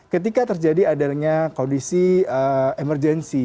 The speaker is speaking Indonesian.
ketika terjadi adanya kondisi emergensi